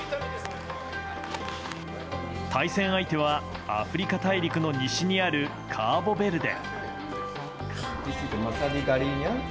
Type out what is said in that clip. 対戦相手はアフリカ大陸の西にある、カーボベルデ。